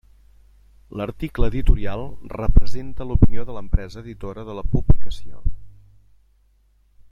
L'article editorial representa l'opinió de l'empresa editora de la publicació.